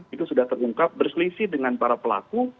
itu sudah terungkap berselisih dengan para pelaku